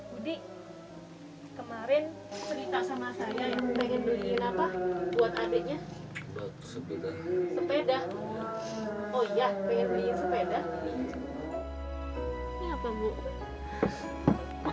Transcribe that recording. budi kemarin berita sama saya yang pengen beliin apa buat adiknya